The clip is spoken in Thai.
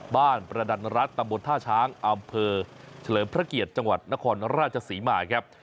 ประดันรัฐตำบลท่าช้างอำเภอเฉลิมพระเกียรติจังหวัดนครราชศรีมาครับ